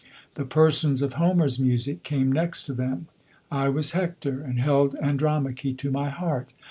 The persons of Homer's music came next to them. I was Hector and held Andromache to my heart.